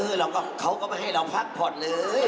เราก็เขาก็ไม่ให้เราพักผ่อนเลย